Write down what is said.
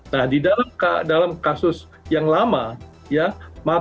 nah di dalam kasus yang lama ya